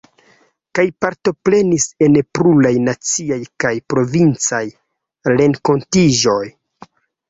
Kaj partoprenis en pluraj naciaj kaj provincaj renkontiĝoj.